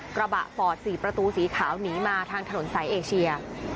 กระบะฟอร์ด๔ประตูสีขาวหนีมาทางถนนสายเอเชีย